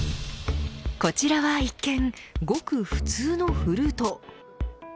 こちらは一見ごく普通のフルート。